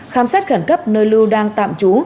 khám sát khẩn cấp nơi lưu đang tạm trú